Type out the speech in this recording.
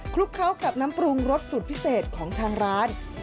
ลุกเข้ากับน้ำปรุงรสสูตรพิเศษของทางร้าน